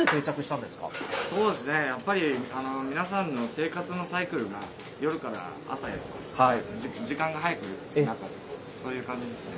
やっぱり皆さんの生活のサイクルが、夜から朝へと時間が早くなったと、そういう感じですね。